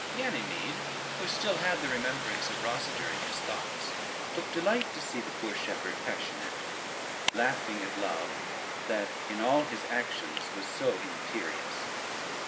Ganymede, who still had the remembrance of Rosader in his thoughts, took delight to see the poor shepherd passionate, laughing at Love, that in all his actions was so imperious.